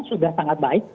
sudah sangat baik